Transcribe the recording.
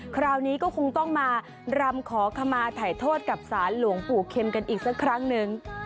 คราวนี้ก็คงต้องมารำขอขมาถ่ายโทษกับสารหลวงปู่เข็มกันอีกสักครั้งหนึ่ง